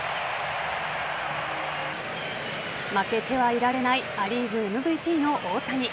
負けてはいられないア・リーグＭＶＰの大谷。